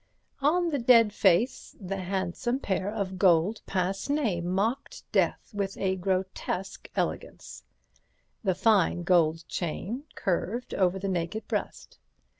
On the dead face the handsome pair of gold pince nez mocked death with grotesque elegance; the fine gold chain curved over the naked breast.